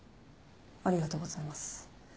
ありがとうございます。